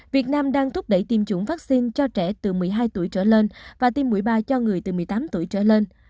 việt nam đang thúc đẩy tiêm chủng vaccine cho trẻ từ một mươi hai tuổi trở lên và tiêm mũi ba cho người từ một mươi tám tuổi trở lên